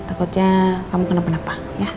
takutnya kamu kena penapa